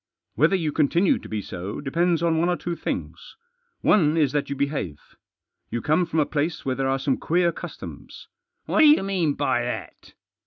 Whether you continue to be so depends on one or two things. One is that you behave. You come from a place where there are some queer customs." " What do you mean by that